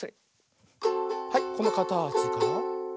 はいこのかたちから。